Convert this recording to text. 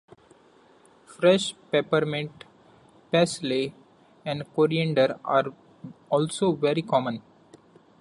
Fresh peppermint, parsley, or coriander are also very common.